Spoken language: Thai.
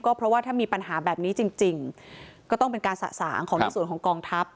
เพราะว่าถ้ามีปัญหาแบบนี้จริงก็ต้องเป็นการสะสางของในส่วนของกองทัพ